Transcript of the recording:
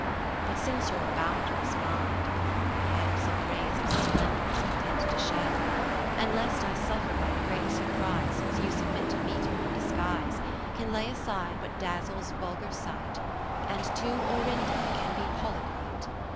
But since your boundless mind upon my head. Some rays of splendour is content to shed ; 10 And lest I suffer by the great surprise. Since you submit to meet me in disguise, Can lay aside what dazzles vulgar sight, __ And to Orinda can be Policrite.